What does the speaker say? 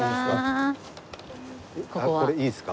これいいですか？